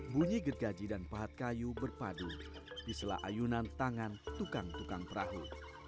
bunyi gergaji dan pahat kayu berpadu di sela ayunan tangan tukang tukang perahu